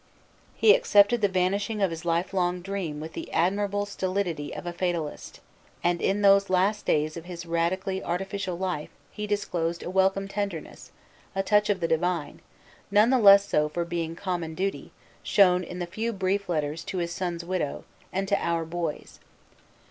He accepted the vanishing of his lifelong dream with the admirable stolidity of a fatalist, and in those last days of his radically artificial life he disclosed a welcome tenderness, a touch of the divine, none the less so for being common duty, shown in the few brief letters to his son's widow and to "our boys."